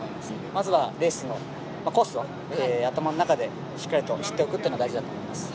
まずはレースのコースを頭の中でしっかりと知っておくことが大事だと思います。